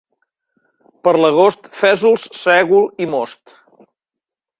Per l'agost, fesols, sègol i most.